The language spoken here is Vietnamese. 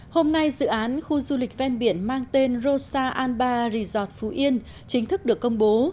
hôm nay dự án khu du lịch ven biển mang tên rosa an ba resort phú yên chính thức được công bố